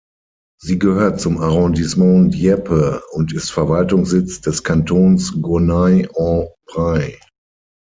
Sie gehört zum Arrondissement Dieppe und ist Verwaltungssitz des Kantons Gournay-en-Bray.